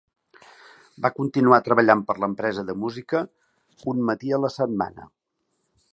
Va continuar treballant per l'empresa de música un matí a la setmana.